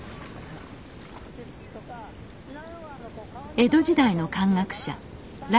江戸時代の漢学者頼